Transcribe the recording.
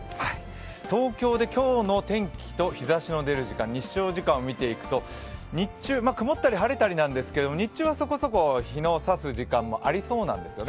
東京で今日の天気と日ざしの出る時間、日照時間を見ていくと日中、曇ったり晴れたりなんですが日中はそこそこ日の差す時間もありそうなんですよね。